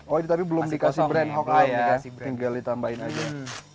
oh ini tapi belum dikasih brand hoc tinggal ditambahin aja